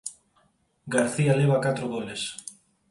García leva catro goles.